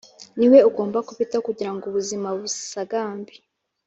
Niwe ugomba kubitaho kugira ngo ubuzima busagambe